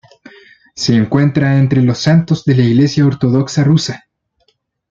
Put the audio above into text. Se cuenta entre los santos de la iglesia ortodoxa rusa.